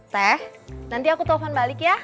teh nanti aku telepon balik ya